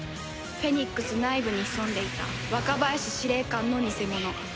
フェニックス内部に潜んでいた若林司令官の偽者